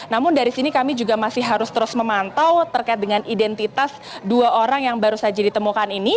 namun dari sini kami juga masih harus terus memantau terkait dengan identitas dua orang yang baru saja ditemukan ini